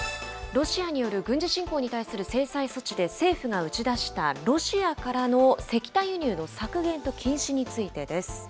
ロシアによる軍事侵攻に対する制裁措置で政府が打ち出したロシアからの石炭輸入の削減と禁止についてです。